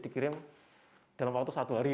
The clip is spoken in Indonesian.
dikirim dalam waktu satu hari